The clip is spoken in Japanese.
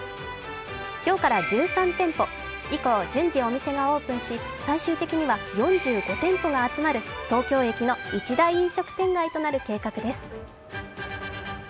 今日から１３店舗、以降準備お店がオープンし、最終的には４５店舗が集まる東京駅の一大飲食街となる計画です。